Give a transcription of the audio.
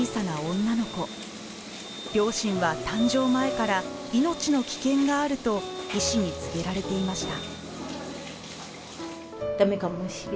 両親は誕生前から「命の危険がある」と医師に告げられていました。